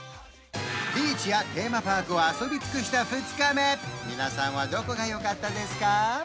ビーチやテーマパークを遊び尽くした２日目皆さんはどこがよかったですか？